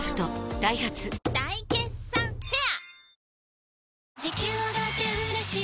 ダイハツ大決算フェア